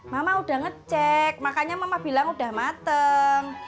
mama udah ngecek makanya mama bilang udah mateng